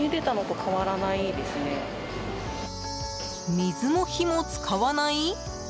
水も火も使わない？